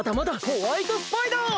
ホワイトスパイダー！